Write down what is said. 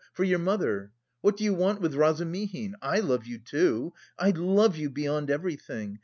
for your mother.... What do you want with Razumihin? I love you too.... I love you beyond everything....